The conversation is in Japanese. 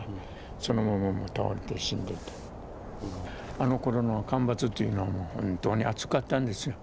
あの頃の干ばつっていうのは本当に暑かったんですよ。